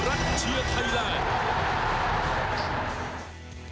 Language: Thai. ไทยละเชื่อไทยละ